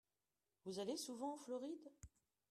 Vous allez souvent en Floride ?